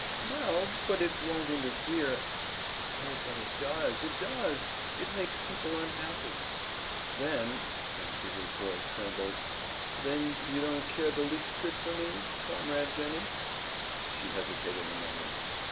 "Well, but it won't interfere " "Oh, but it does, it does; it makes people unhappy!" "Then " and Peter's voice trembled "then you don't care the least bit for me, Comrade Jennie?" She hesitated a moment.